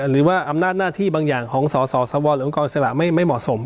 หรือว่าอำนาจหน้าที่บางอย่างของสสวหรือองค์กรอิสระไม่เหมาะสม